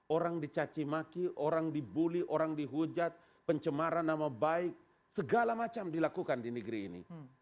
orang dicacimaki orang dibully orang dihujat pencemaran nama baik segala macam dilakukan di negeri ini